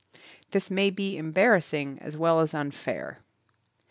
This may be embarrassing as well as unfair.